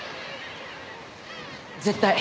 絶対。